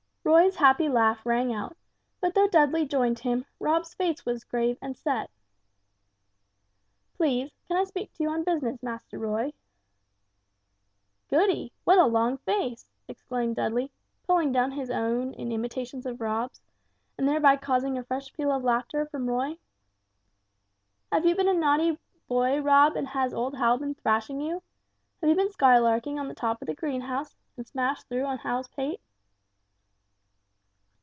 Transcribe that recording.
Roy's happy laugh rang out, but though Dudley joined him, Rob's face was grave and set. "Please, can I speak to you on business, Master Roy?" "Goody! What a long face!" exclaimed Dudley, pulling down his own in imitation of Rob's, and thereby causing a fresh peal of laughter from Roy. "Have you been a naughty boy, Rob, and has old Hal been thrashing you? Have you been skylarking on the top of the greenhouse, and smashed through on Hal's pate?"